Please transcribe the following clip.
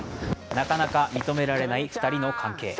なかなか認められない２人の関係。